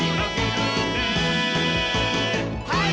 はい！